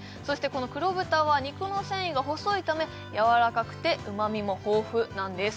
この黒豚は肉の繊維が細いためやわらかくてうまみも豊富なんです